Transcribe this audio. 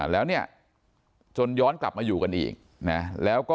แล้วนี้จนย้อนกลับมาอยู่กันอีก